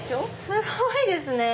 すごいですね！